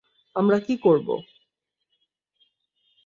আমরা কী করব?